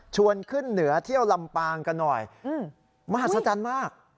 ขึ้นเหนือเที่ยวลำปางกันหน่อยมหัศจรรย์มาก